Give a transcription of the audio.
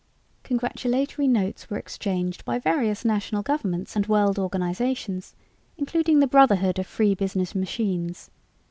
Congratulatory notes were exchanged by various national governments and world organizations, including the Brotherhood of Free Business Machines.